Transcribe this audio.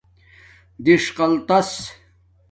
دݽقاتس